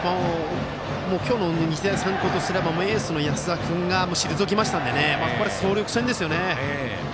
今日の日大三高とすればエースの安田君が退きましたのでこれ総力戦ですよね。